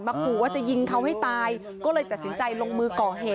ขู่ว่าจะยิงเขาให้ตายก็เลยตัดสินใจลงมือก่อเหตุ